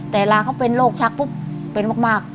แต่เวลาเขาเป็นโรคชักปุ๊บเป็นมาก